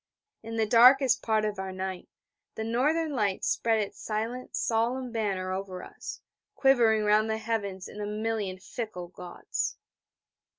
In the darkest part of our night, the Northern Light spread its silent solemn banner over us, quivering round the heavens in a million fickle gauds.